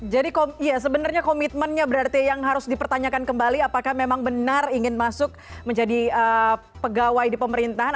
jadi sebenarnya komitmennya berarti yang harus dipertanyakan kembali apakah memang benar ingin masuk menjadi pegawai di pemerintahan